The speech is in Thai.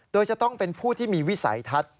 โดยจะต้องเป็นผู้ที่มีวิสัยทัศน์